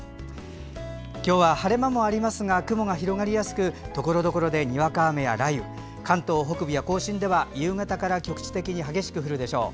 今日は晴れ間もありますが雲が広がりやすくところどころでにわか雨や雷雨関東・甲信では夕方から局地的に激しく降る見込みです。